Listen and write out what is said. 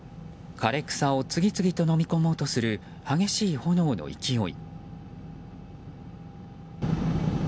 枯れ草を次々とのみ込もうとする激しい炎の勢い。